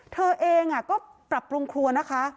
เธอเองก็ปรับปรุงครัวนะคะ